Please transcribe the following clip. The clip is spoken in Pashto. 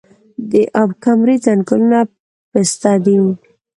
د اب کمري ځنګلونه پسته دي